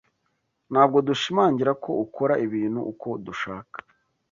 Ntabwo dushimangira ko ukora ibintu uko dushaka.